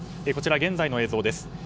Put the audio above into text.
こちら、現在の映像です。